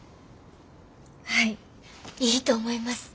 はいいいと思います。